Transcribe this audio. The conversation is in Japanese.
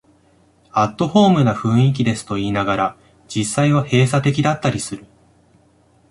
アットホームな雰囲気ですと言いながら、実際は閉鎖的だったりする